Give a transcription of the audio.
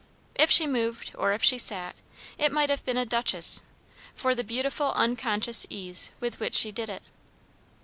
If she moved or if she sat, it might have been a duchess, for the beautiful unconscious ease with which she did it.